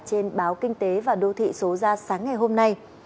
trên báo kinh tế và đô thị số ra sáng ngày hôm nay